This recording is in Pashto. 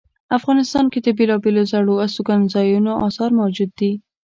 افغانستان کې د بیلابیلو زړو استوګنځایونو آثار موجود دي